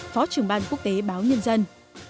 phó trưởng ban quốc tế báo nhân dân